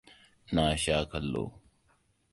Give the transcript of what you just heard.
Na sha kallo.